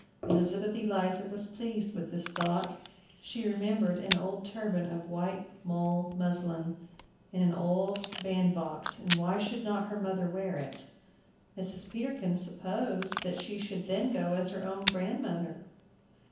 Elizabeth Eliza was pleased with this thought. She remembered an old turban of white mull muslin, in an old bandbox, and why should not her mother wear it? Mrs. Peterkin supposed that she should then go as her own grandmother.